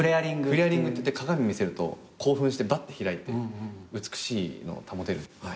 フレアリングっていって鏡見せると興奮してバッて開いて美しいのを保てるっていうのがあります。